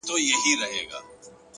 خپل فکرونه د موخې خدمت ته ودرول!